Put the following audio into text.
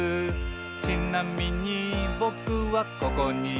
「ちなみにぼくはここにいます」